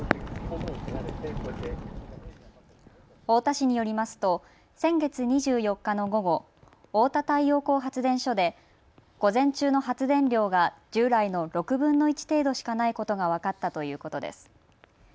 太田市によりますと先月２４日の午後、おおた太陽光発電所で午前中の発電量が従来の６分の１程度しかないことが分かったということです。